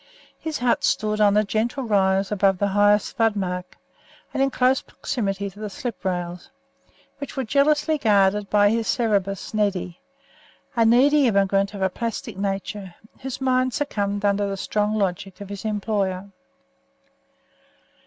His hut stood on a gentle rise above the highest flood mark, and in close proximity to the slip rails, which were jealously guarded by his Cerberus, Neddy, a needy immigrant of a plastic nature, whose mind succumbed under the strong logic of his employer.